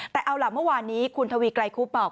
แต่เอาล่ะเมื่อวานนี้คุณทวีไกรคุบบอก